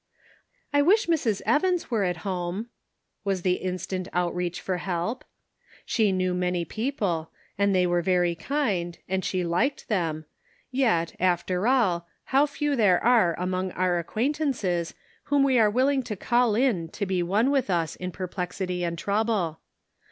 " I wish Mrs. Evans were at home," was the instant outreach after help. She knew many people, and they were very kind, and she liked them ; yet, after all, how few there are among our acquaintances whom we are willing to call in to be one with us in perplexity and trouble.